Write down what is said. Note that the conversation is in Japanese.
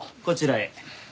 こちらへ。